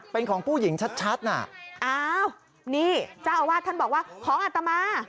เป็นของผู้หญิงชัดน่ะอ้าวนี่เจ้าอาวาสท่านบอกว่าของอัตมา